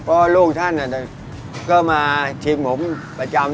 เพราะลูกท่านก็มาชิมผมประจำ